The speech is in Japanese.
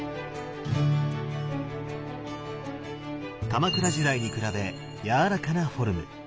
鎌倉時代に比べやわらかなフォルム。